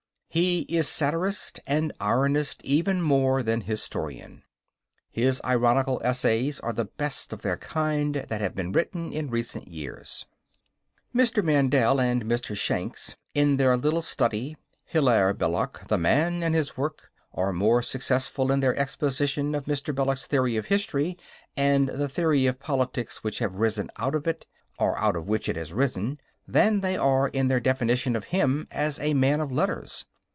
He is satirist and ironist even more than historian. His ironical essays are the best of their kind that have been written in recent years. Mr. Mandell and Mr. Shanks in their little study, Hilaire Belloc: the Man and his Work, are more successful in their exposition of Mr. Belloc's theory of history and the theory of politics which has risen out of it or out of which it has risen than they are in their definition of him as a man of letters.